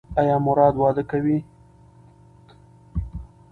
ایا مراد واده کوي؟